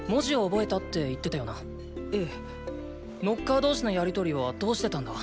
ノッカー同士のやりとりはどうしてたんだ？